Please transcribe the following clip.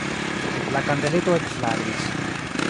La kandeleto ekflagris.